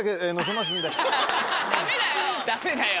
ダメだよ！